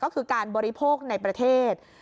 ก็คือการบริโภคในประเทศ